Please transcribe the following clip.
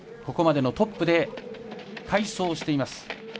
ここまでのトップで快走しています